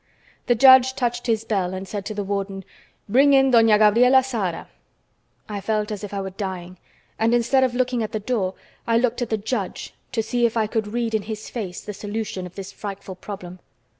The judge touched his bell and said to the warden: "Bring in Doña Gabriela Zahara!" I felt as if I were dying, and instead of looking at the door, I looked at the judge to see if I could read in his face the solution of this frightful problem.